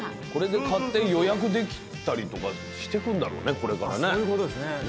これで買って予約できたりとかしてくんだろうねこれからね。